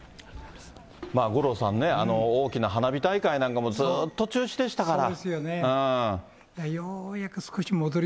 五郎さんね、大きな花火大会なんかもずっと中止でしたから。